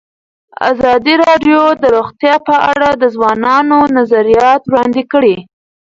ازادي راډیو د روغتیا په اړه د ځوانانو نظریات وړاندې کړي.